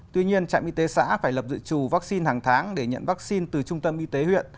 tuy nhiên trạm y tế xã phải lập dự trù vaccine hàng tháng để nhận vaccine từ trung tâm y tế huyện